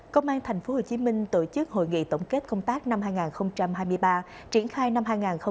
công an tp hcm tổ chức hội nghị tổng kết công tác năm hai nghìn hai mươi ba triển khai năm hai nghìn hai mươi bốn